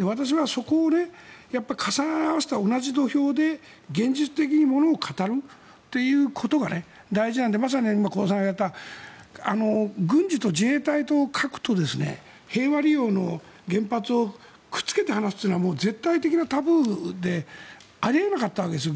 私は、そこを重ね合わせて同じ土俵で現実的にものを語るということが大事なのでまさに今、香田さんが言った軍事と自衛隊と核と平和利用の原発をくっつけて話すことはもう絶対的なタブーであり得なかったわけです。